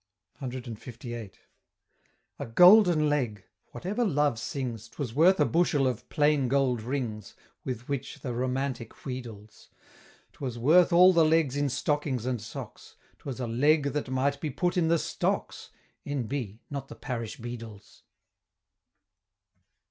CLVIII. A Golden Leg! whatever Love sings, 'Twas worth a bushel of "Plain Gold Rings" With which the Romantic wheedles. 'Twas worth all the legs in stockings and socks 'Twas a leg that might be put in the Stocks, N.B. Not the parish beadle's!